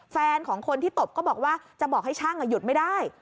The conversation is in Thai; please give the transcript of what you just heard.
แฟนของคนที่ตบก็บอกว่าจะบอกให้ช่างหยุดไม่ได้